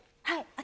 はい。